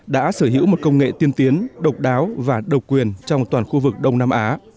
đã sở hữu một công nghệ tiên tiến độc đáo và độc quyền trong toàn khu vực đông nam á